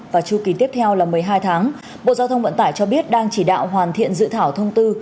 và chu kỳ tiếp theo là một mươi hai tháng bộ giao thông vận tải cho biết đang chỉ đạo hoàn thiện dự thảo thông tư